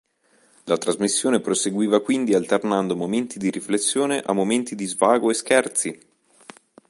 La trasmissione proseguiva quindi alternando momenti di riflessione a momenti di svago e scherzi.